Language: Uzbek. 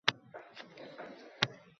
Qonun loyihasi muhokama qilindi